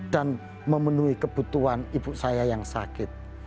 dan memenuhi kebutuhan ibu saya yang sakit